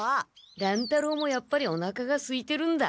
乱太郎もやっぱりおなかがすいてるんだ。